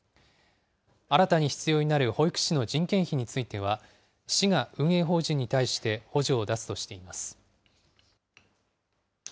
新たに必要になる保育士の人件費については、市が運営法人に対して補助を出すとしています。